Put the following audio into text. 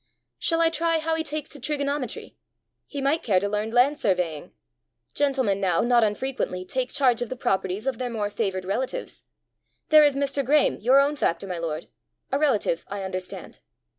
"Shall I try how he takes to trigonometry? He might care to learn land surveying! Gentlemen now, not unfrequently, take charge of the properties of their more favoured relatives. There is Mr. Graeme, your own factor, my lord a relative, I understand!"